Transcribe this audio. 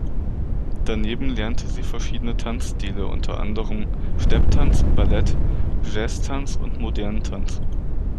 Daneben lernte sie verschiedene Tanzstile, unter anderem Stepptanz, Ballett, Jazztanz und modernen Tanz.